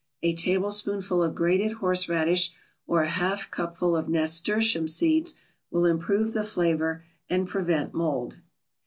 A tablespoonful of grated horseradish or a half cupful of nasturtium seeds will improve the flavor and prevent mold.